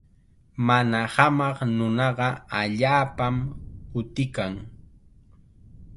Mana hamaq nunaqa allaapam utikan.